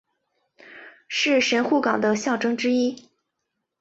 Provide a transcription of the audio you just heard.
是神户港的象征之一。